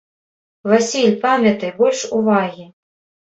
Васіль, памятай, больш увагі.